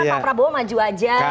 pak prabowo maju aja